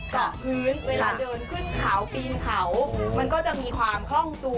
เกาะพื้นเวลาเดินขึ้นเขาปีนเขามันก็จะมีความคล่องตัว